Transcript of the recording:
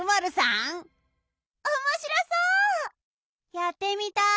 やってみたい。